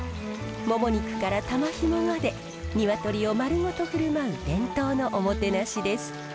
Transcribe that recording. もも肉から玉ひもまで鶏を丸ごと振る舞う伝統のおもてなしです。